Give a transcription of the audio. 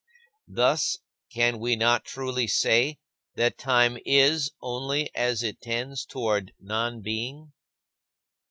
Thus, can we not truly say that time is only as it tends toward nonbeing?